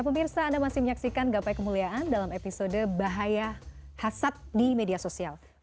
pemirsa anda masih menyaksikan gapai kemuliaan dalam episode bahaya hasad di media sosial